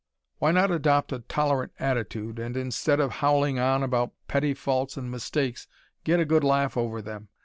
Why not adopt a tolerant attitude, and instead of howling about petty faults and mistakes get a good laugh over them?